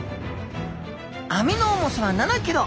網の重さは７キロ。